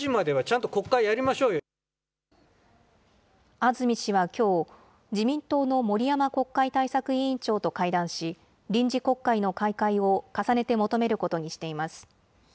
安住氏はきょう、自民党の森山国会対策委員長と会談し、臨時国会の開会を重ねて求めることにしています。